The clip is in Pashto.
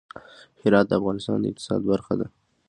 هرات د افغانستان د اقتصاد برخه ده.